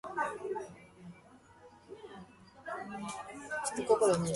Even if you have to shake-bake shake-bake it like a Shy Tuna.